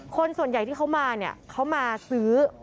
คนส่วนใหญ่ที่เขามาเนี่ยเขามาซื้อ